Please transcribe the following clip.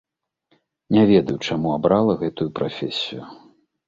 Не ведаю, чаму абрала гэтую прафесію.